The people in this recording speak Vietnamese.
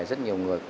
rất nhiều người